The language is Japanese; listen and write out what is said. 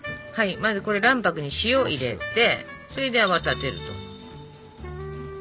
まず卵白に塩を入れてそれで泡立てると。